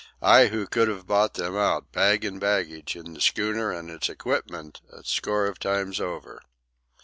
I, who could have bought them out, bag and baggage, and the schooner and its equipment, a score of times over!)